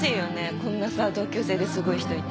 こんなさ同級生ですごい人いて。